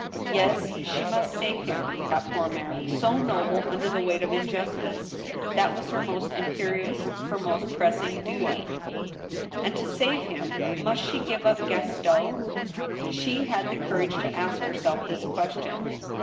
Yes, she must save him — that poor man — so noble under the weight of injustice. That was her most imperious, her most press ing duty. 222 '^ff^ STEEL HAMMER. And, to save him, must she give up Gaston ? She had the courage to ask herself this question.